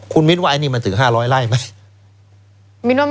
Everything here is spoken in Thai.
คุณมิ้นว่าอันนี้ถึง๕๐๐ไร่ไหม